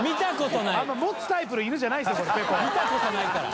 見たことないから。